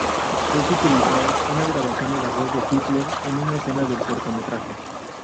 Es utilizada una grabación de la voz de Hitler en una escena del cortometraje.